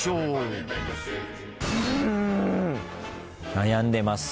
悩んでます